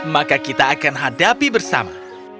maka kita akan hadapi bersama